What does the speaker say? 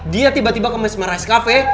dia tiba tiba kemes marah di cafe